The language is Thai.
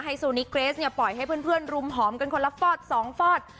ไฮโซนิกเกรสเนี่ยปล่อยให้เพื่อนรุมหอมกันคนละฟอร์ดสองฟอร์ด